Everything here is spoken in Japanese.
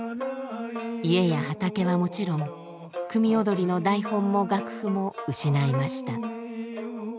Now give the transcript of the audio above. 家や畑はもちろん組踊の台本も楽譜も失いました。